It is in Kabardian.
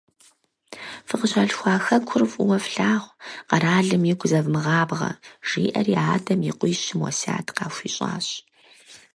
Фыкъыщалъхуа Хэкур фӀыуэ флъагъу, къэралым игу зэвмыгъабгъэ, - жиӏэри, адэм и къуищым уэсят къахуищӀащ.